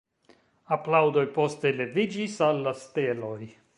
Aplaŭdoj poste leviĝis al la steloj.